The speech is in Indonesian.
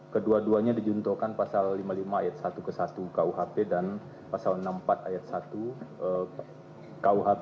kedua duanya dijuntuhkan pasal lima puluh lima ayat satu ke satu kuhp dan pasal enam puluh empat ayat satu kuhp